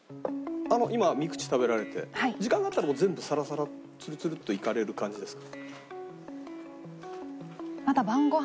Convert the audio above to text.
今３口食べられて時間があったら全部サラサラつるつるっといかれる感じですか？